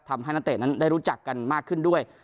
ทำให้น้องเตนได้รู้จักกันมากขึ้นด้วย